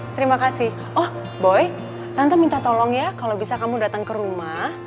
terima kasih oh boy ranta minta tolong ya kalau bisa kamu datang ke rumah